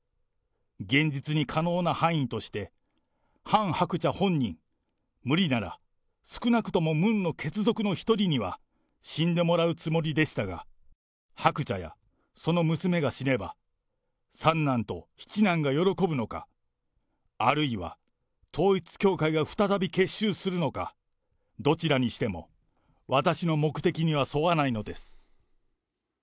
現実に可能な範囲として、ハン・ハクチャ本人、無理なら少なくともムンの血族の一人には死んでもらうつもりでしたが、ハクチャやその娘が死ねば、三男と七男が喜ぶのか、あるいは統一教会が再び結集するのか、どちらにしても私の目的には沿わないのです。